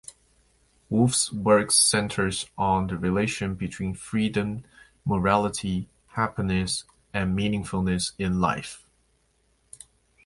Wolf's work centres on the relation between freedom, morality, happiness and meaningfulness in life.